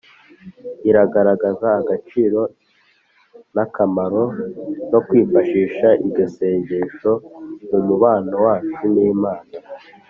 iragaragaza agaciro n’akamaro ko kwifashisha iryo sengesho mu mubano wacu n’imana